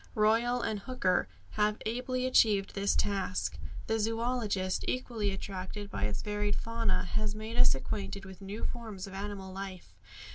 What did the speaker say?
Royle and Hooker have ably achieved this task. The zoologist, equally attracted by its varied fauna, has made us acquainted with new forms of animal life.